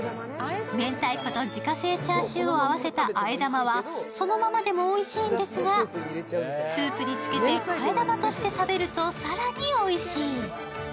めんたいこと自家製チャーシューを合わせた和え玉はそのまままでもおいしいんですがスープにつけて替え玉として食べると更においしい。